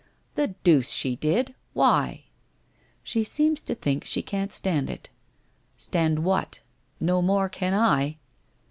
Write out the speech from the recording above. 1 The deuce she did ! Why ?'* She seems to think she can't stand it.' * Stand what ? No more can I